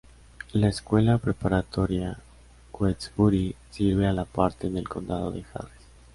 La Escuela Preparatoria Westbury sirve a la parte en el Condado de Harris.